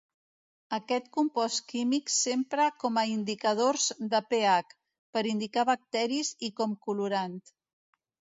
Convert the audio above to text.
Aquest compost químic s'empra com a indicadors de pH, per indicar bacteris i com colorant.